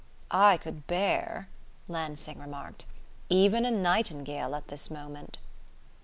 "I could bear," Lansing remarked, "even a nightingale at this moment...."